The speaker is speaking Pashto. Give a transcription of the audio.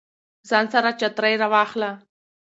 ځان سره چترۍ راواخله